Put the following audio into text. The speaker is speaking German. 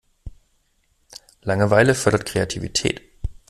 Langeweile fördert Kreativität.